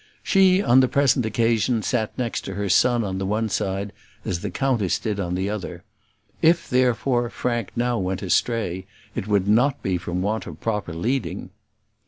She, on the present occasion, sat next to her son on the one side, as the countess did on the other. If, therefore, Frank now went astray, it would not be from want of proper leading.